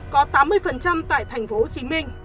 có tám mươi tại tp hcm